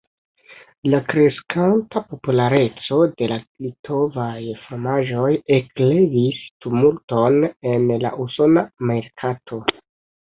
La kreskanta populareco de la litovaj fromaĝoj eklevis tumulton en la usona merkato.